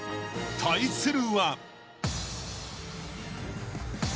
［対するは］